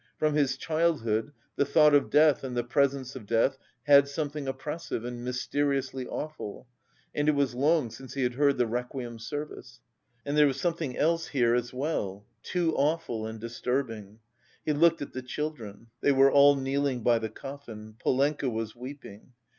From his childhood the thought of death and the presence of death had something oppressive and mysteriously awful; and it was long since he had heard the requiem service. And there was something else here as well, too awful and disturbing. He looked at the children: they were all kneeling by the coffin; Polenka was weeping.